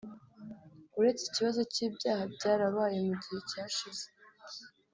uretse ikibazo cy’ibyaba byarabaye mu gihe cyashize